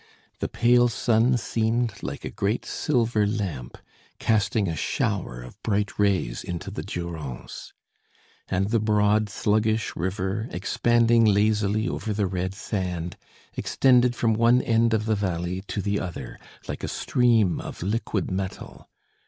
The pale sun seemed like a great silver lamp, casting a shower of bright rays into the Durance. And the broad, sluggish river, expanding lazily over the red sand, extended from one end of the valley to the other, like a stream of liquid metal.